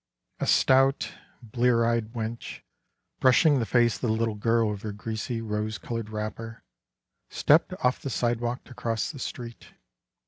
A stout, blear eyed wench brushing the face of the little girl with her greasy, rose colored wrapper, stepped off the sidewalk to cross the street.